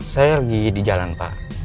saya pergi di jalan pak